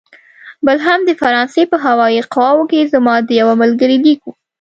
بل هم د فرانسې په هوايي قواوو کې زما د یوه ملګري لیک و.